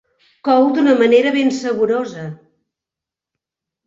Cou d'una manera ben saborosa.